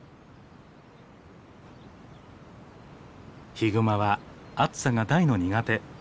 ヒグマは暑さが大の苦手。